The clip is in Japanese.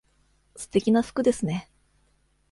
すてきな服ですね。